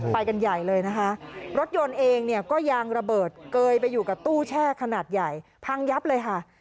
ไปกันใหญ่เลยนะคะรถยนต์เองเนี่ยก็ยางระเบิดเกยไปอยู่กับตู้แช่ขนาดใหญ่พังยับเลยค่ะ